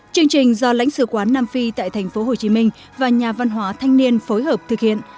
chương trình do lãnh sự quán nam phi tại tp hcm và nhà văn hóa thanh niên phối hợp thực hiện